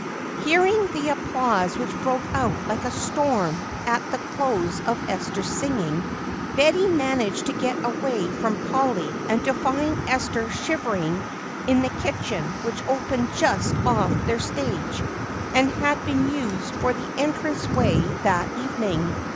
Hearing the applause which broke out like a storm at the close of Esther's singing, Betty managed to get away from Polly and to find Esther shivering in the kitchen which opened just off their stage and had been used for the entrance way that evening.